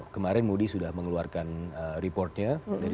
kemarin moody sudah mengeluarkan reportnya